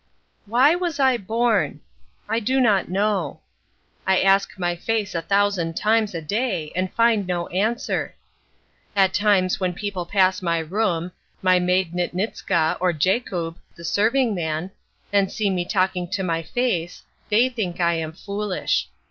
Why was I born? I do not know. I ask my face a thousand times a day and find no answer. At times when people pass my room—my maid Nitnitzka, or Jakub, the serving man—and see me talking to my face, they think I am foolish.